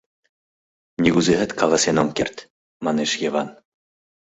— Нигузеат каласен ом керт, — манеш Йыван.